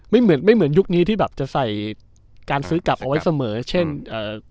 ไม่เหมือนไม่เหมือนยุคนี้ที่แบบจะใส่การซื้อกลับเอาไว้เสมอเช่นเอ่อ